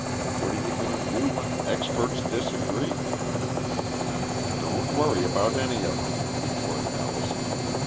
What're you going to do when experts disagree?" "Don't worry about any of 'em," retorted Allison.